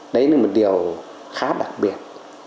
đấy là một điều khá đặc biệt